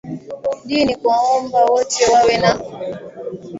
di ni kuwaomba wote wawe na